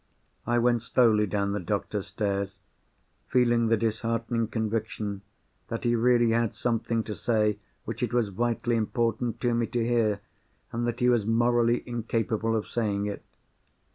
I went slowly down the doctor's stairs, feeling the disheartening conviction that he really had something to say which it was vitally important to me to hear, and that he was morally incapable of saying it.